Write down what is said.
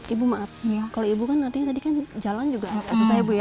ibu maaf kalau ibu kan nantinya tadi kan jalan juga susah ya bu ya